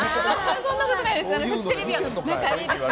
そんなことないですよ！